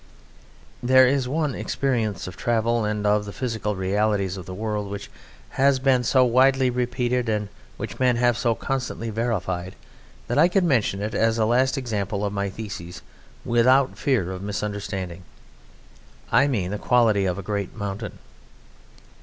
There is one experience of travel and of the physical realities of the world which has been so widely repeated, and which men have so constantly verified, that I could mention it as a last example of my thesis without fear of misunderstanding. I mean the quality of a great mountain.